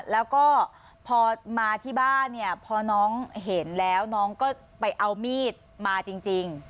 แล้วก็พอมาที่บ้านเนี่ยพอน้องเห็นแล้วน้องก็ไปเอามีดมาจริง